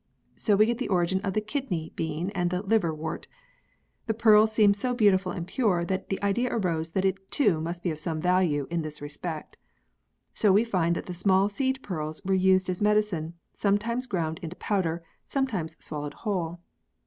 So we get the origin of the "kidney" bean, and the " liver " wort. The pearl seemed so beautiful and pure that the idea arose that it too must be of some value in this respect. So we find that the small seed pearls were used as medicine, sometimes ground into powder, sometimes swallowed whole.